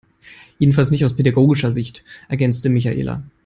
Jedenfalls nicht aus pädagogischer Sicht, ergänzte Michaela.